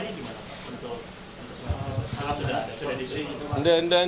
untuk hal hal sudah disini